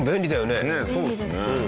ねえそうですね。